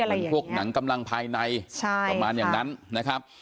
เป็นพวกหนังกำลังภายในประมาณอย่างนั้นนะครับ